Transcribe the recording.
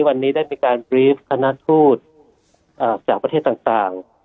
วันนี้ได้เป็นการอาณาทูตอ่าจากประเทศต่างต่าง